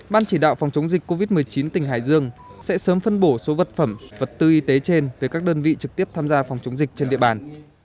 ban chỉ đạo phòng chống dịch covid một mươi chín tỉnh hải dương sẽ sớm phân bổ số vật phẩm vật tư y tế trên về các đơn vị trực tiếp tham gia phòng chống dịch trên địa bàn